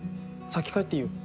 先帰っていいよ。